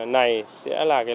này sẽ là